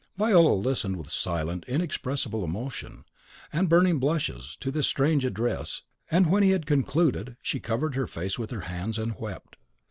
Viola listened with silent, inexpressible emotion, and burning blushes, to this strange address, and when he had concluded, she covered her face with her hands, and wept.